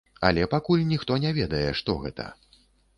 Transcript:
Але пакуль ніхто не ведае, што гэта.